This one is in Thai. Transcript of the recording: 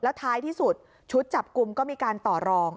ท้ายที่สุดชุดจับกลุ่มก็มีการต่อรอง